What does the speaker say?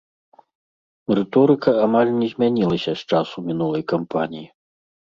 Рыторыка амаль не змянілася з часу мінулай кампаніі.